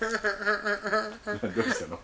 どうしたの？